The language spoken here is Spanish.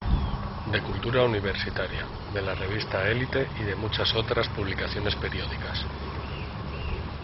De Cultura Universitaria, de la revista Elite y de muchas otras publicaciones periódicas.